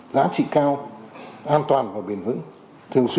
giá trị cao an toàn và bền vững